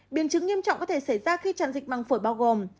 biên chứng nghiêm trọng có thể xảy ra khi tràn dịch măng phổi bao gồm